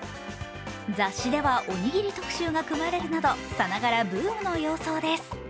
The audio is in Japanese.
雑誌ではおにぎり特集が組まれるなどさながりブームの様相です。